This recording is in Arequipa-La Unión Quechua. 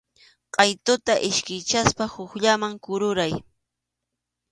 Qʼaytuta iskaychaspa hukllaman kururay.